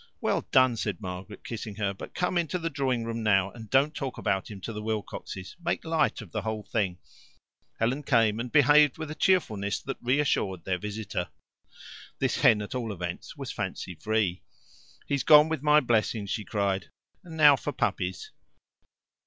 " "Well done," said Margaret, kissing her, "but come into the drawing room now, and don't talk about him to the Wilcoxes. Make light of the whole thing." Helen came and behaved with a cheerfulness that reassured their visitor this hen at all events was fancy free. "He's gone with my blessing," she cried, "and now for puppies."